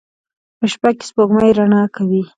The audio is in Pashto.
په شپه کې سپوږمۍ رڼا کوي